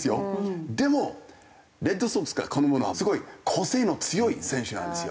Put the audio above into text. でもレッドソックスが好むのはすごい個性の強い選手なんですよ。